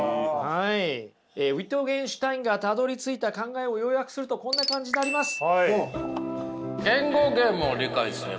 ウィトゲンシュタインがたどりついた考えを要約するとこんな感じになります。